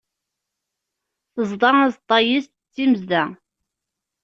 Teẓḍa aẓeṭṭa-is, d timezda.